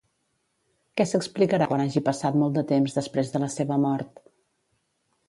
Què s'explicarà quan hagi passat molt de temps després de la seva mort?